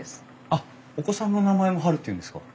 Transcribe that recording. あっお子さんの名前もハルっていうんですか？